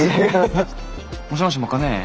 もしもしもか姉？